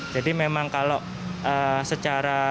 jadi memang kalau secara